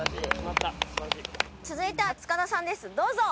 続いては塚田さんですどうぞ！